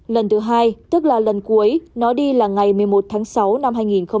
lần thứ hai tức là lần cuối nó đi là ngày một mươi một tháng sáu năm hai nghìn hai mươi